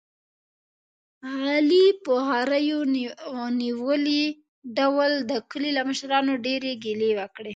علي په غرېو نیولي ډول د کلي له مشرانو ډېرې ګیلې وکړلې.